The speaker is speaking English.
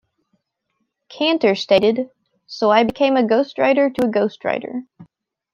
Kanter stated, So I became a ghostwriter to a ghostwriter.